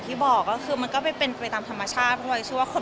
ทุกคนก็จึ้งแล้วก็แบบว่าสิ่งที่แบบลงทาบครั้งแรกอะไรอย่างเงี้ยแม่